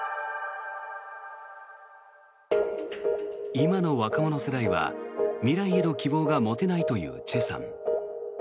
今の若者世代は未来への希望が持てないというチェさん。